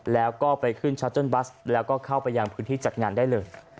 แล้วก็ไปขึ้นชัตเติ้ลบัสแล้วก็เข้าไปยังพื้นที่จัดงานได้เลย